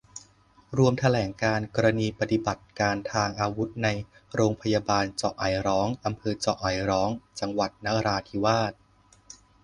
รวมแถลงการณ์ กรณีปฏิบัติการทางอาวุธในโรงพยาบาลเจาะไอร้อง อำเภอเจาะไอร้อง จังหวัดนราธิวาส